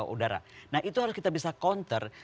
udara nah itu harus kita bisa counter